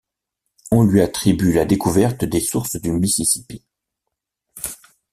On lui attribue la découverte des sources du Mississippi.